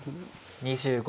２５秒。